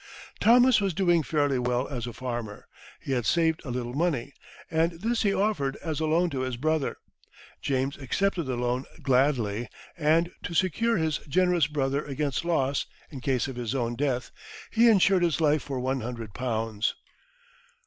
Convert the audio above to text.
Thomas was doing fairly well as a farmer; he had saved a little money, and this he offered as a loan to his brother. James accepted the loan gladly; and, to secure his generous brother against loss in case of his own death, he insured his life for one hundred pounds.